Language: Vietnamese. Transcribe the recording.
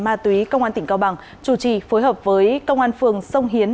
ma túy công an tỉnh cao bằng chủ trì phối hợp với công an phường sông hiến